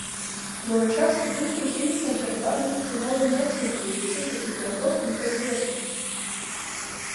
Луначарскі быў прыхільнікам перакладу рускай мовы на лацінку і лічыў такі пераход непазбежным.